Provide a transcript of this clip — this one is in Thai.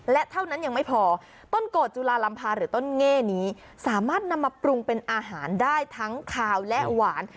และเท่านั้นยังไม่พอต้นโกดจุลาลำพาหรือต้นเง่นี้สามารถนำมาปรุงเป็นอาหารได้ทั้งคาวและหวาน